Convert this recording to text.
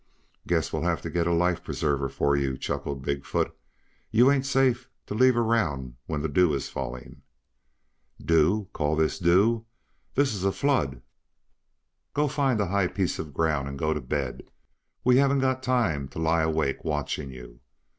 "Guess we'll have to get a life preserver for you," chuckled Big foot. "You ain't safe to leave around when the dew is falling." "Dew? Call this dew? This is a flood." "Go find a high piece of ground, and go to bed. We haven't got time to lie awake watching you.